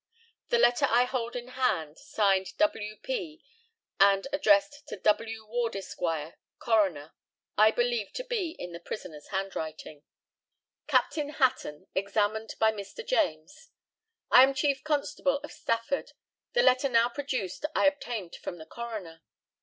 The letter I hold in hand, signed "W. P." and addressed to "W. Ward, Esq., Coroner," I believe to be in the prisoner's handwriting. Captain HATTON, examined by Mr. JAMES: I am chief constable of Stafford. The letter now produced I obtained from the coroner.